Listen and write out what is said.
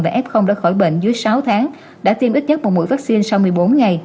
và f đã khỏi bệnh dưới sáu tháng đã tiêm ít nhất một mũi vaccine sau một mươi bốn ngày